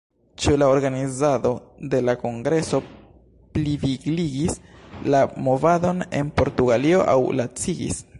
Ĉu la organizado de la kongreso plivigligis la movadon en Portugalio aŭ lacigis?